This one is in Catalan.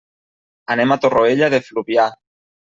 Anem a Torroella de Fluvià.